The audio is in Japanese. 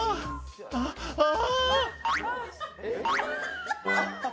あっ、あー！